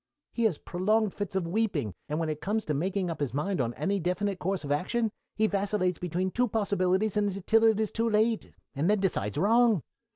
He has prolonged fits of weeping, and when it comes to making up his mind on any definite course of action he vacillates between two possibilities until it is too late, and then decides wrong.